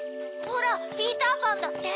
ほらピーターパンだって！